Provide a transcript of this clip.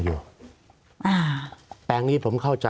สวัสดีครับทุกคน